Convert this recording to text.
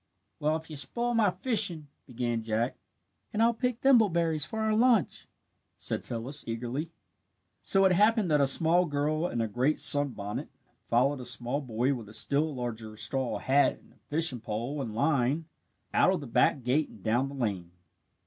"Well, if you spoil my fishing " began Jack. "And I'll pick thimbleberries for our lunch," said Phyllis, eagerly. So it happened that a small girl in a great sunbonnet followed a small boy with a still larger straw hat and a fishing pole and line, out of the back gate and down the lane.